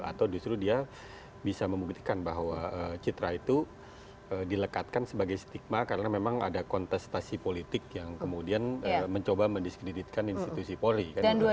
atau justru dia bisa membuktikan bahwa citra itu dilekatkan sebagai stigma karena memang ada kontestasi politik yang kemudian mencoba mendiskreditkan institusi polri